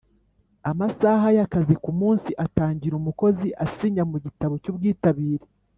Amasaha y’ akazi ku munsi atangira umukozi asinya mu gitabo cy’ubwitabire